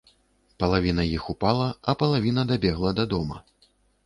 Палавіна іх упала, а палавіна дабегла да дома.